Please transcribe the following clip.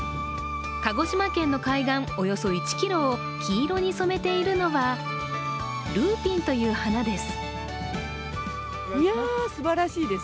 鹿児島県の海岸、およそ１ｋｍを黄色に染めているのはルーピンという花です。